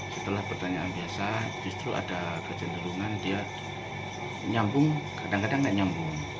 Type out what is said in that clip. setelah pertanyaan biasa justru ada kecenderungan dia nyambung kadang kadang gak nyambung